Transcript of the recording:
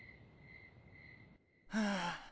はあ